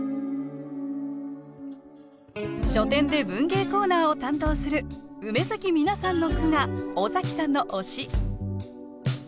書店で文芸コーナーを担当する梅実奈さんの句が尾崎さんの推し。